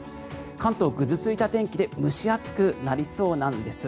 関東、ぐずついた天気で蒸し暑くなりそうなんです。